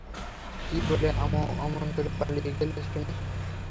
কী বলে আমন করে পালিয়ে গেলে শুনি?